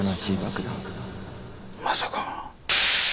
まさか。